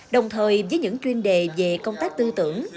đồng thời với những chuyên đề về công tác tư tưởng